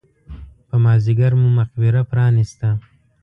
په مازیګر مو مقبره پرانېسته.